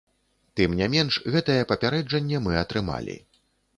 Тым не менш, гэтае папярэджанне мы атрымалі.